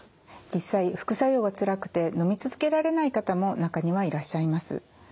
実際副作用がつらくてのみ続けられない方も中にはいらっしゃいます。